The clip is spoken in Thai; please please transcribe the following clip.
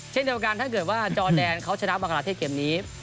เช่นเดียวกันถ้าเกิดว่าจอแดนเขาชนะบังคลาเทศเกมนี้